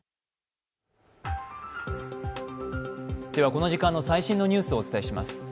この時間の最新のニュースをお届けします。